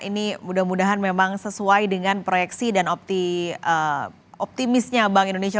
ini mudah mudahan memang sesuai dengan proyeksi dan optimisnya bank indonesia